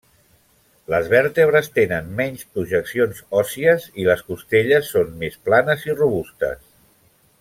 Les vèrtebres tenen menys projeccions òssies i les costelles són més planes i robustes.